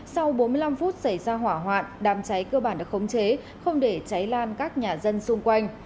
sau bốn mươi năm phút xảy ra hỏa hoạn đám cháy cơ bản đã khống chế không để cháy lan các nhà dân xung quanh